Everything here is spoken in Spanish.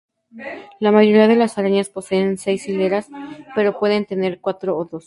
La mayoría de las arañas poseen seis hileras, pero pueden tener cuatro o dos.